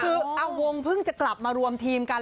คืออาวงเพิ่งจะกลับมารวมทีมกัน